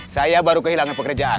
saya baru kehilangan pekerjaan